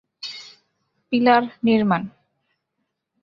pillar নির্মান